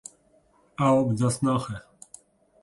Ew bi dest naxe.